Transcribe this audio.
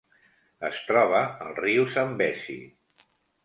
Es troba al riu Zambezi.